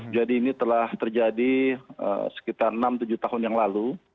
jadi ini telah terjadi sekitar enam tujuh tahun yang lalu